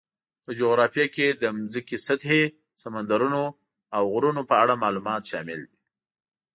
په جغرافیه کې د ځمکې سطحې، سمندرونو، او غرونو په اړه معلومات شامل دي.